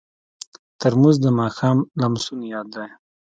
ترموز د ماښام لمسون یاد دی.